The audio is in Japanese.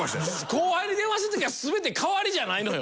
後輩に電話する時は全て代わりじゃないのよ。